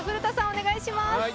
お願いします。